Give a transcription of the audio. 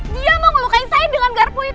dia mau ngelukain saya dengan garpu itu